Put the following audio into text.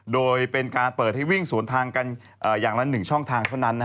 โดยเป็นการเปิดให้วิ่งสวนทางกันอย่างละ๑ช่องทางเท่านั้น